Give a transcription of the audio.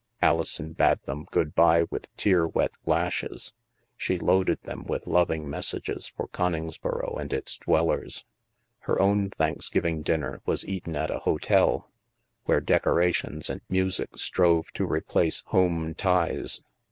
Alison bade them good bye with tear wet lashes. She loaded them with loving messages for Conings boro and its dwellers. Her own Thanksgiving dinner was eaten at a hotel, where decorations and music strove to replace home ties.